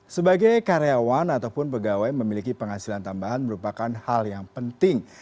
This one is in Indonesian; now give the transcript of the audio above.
sebagai karyawan ataupun pegawai memiliki penghasilan tambahan merupakan hal yang penting